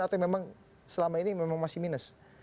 atau memang selama ini memang masih minus